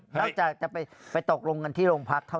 เราจะไปตกลงกันที่โรงพักเท่านั้น